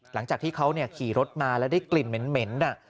หลังจากที่เขาขี่รถมาแล้วได้กลิ่นเหม็น